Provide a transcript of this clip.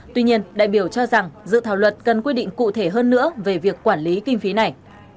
tuy nhiên đại biểu cho rằng dự thảo luật cần quy định cụ thể hơn nữa về việc quản lý kinh phí này